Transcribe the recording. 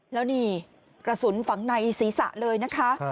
แล้วนี่กระสุนฝังในศีรษะเลยนะคะ